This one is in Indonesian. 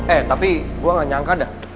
eh tapi gue gak nyangka dah